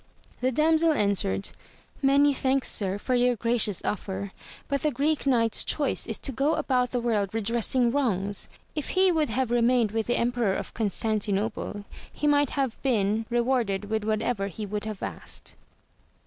The damsel answered. Many thanks sir for your gracious offer, but the Greek Knight's choice is to go about the world redressing wrongs ; if he would have remained with the Emperor of Constantinople he might have been rewarded with whatever he would have asked.